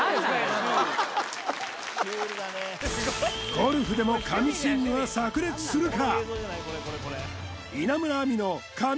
ゴルフでも神スイングはさく裂するか？